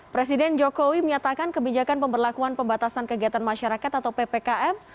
presiden jokowi menyatakan kebijakan pemberlakuan pembatasan kegiatan masyarakat atau ppkm